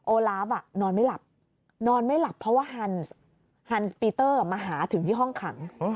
โอลาฟนอนไม่หลับเพราะว่าฮันซ์ปีเตอร์มาหาถึงที่ห้องขัง